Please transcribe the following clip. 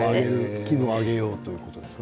気分を上げようということですか？